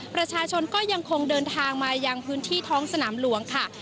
ประชาชนก็ยังคงเดินทางมายังพื้นที่ท้องสนามหลวงค่ะ